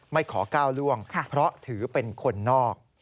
ไม่ขอก้าวล่วงเพราะถือเป็นคนนอก